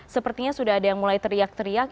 sepertinya sudah ada yang mulai teriak teriak